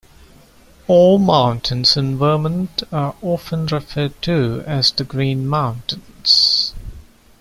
All mountains in Vermont are often referred to as the "Green Mountains".